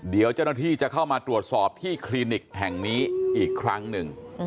เดี๋ยวเจ้าหน้าที่จะเข้ามาตรวจสอบที่คลินิกแห่งนี้อีกครั้งหนึ่ง